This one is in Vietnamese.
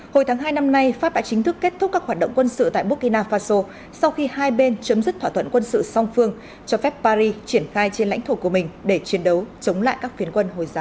hồi tháng hai năm nay pháp đã chính thức kết thúc các hoạt động quân sự tại burkina faso sau khi hai bên chấm dứt thỏa thuận quân sự song phương cho phép paris triển khai trên lãnh thổ của mình để chiến đấu chống lại các phiến quân hồi giáo